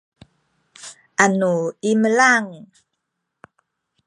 anu imelang